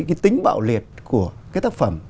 cái tính bạo liệt của cái tác phẩm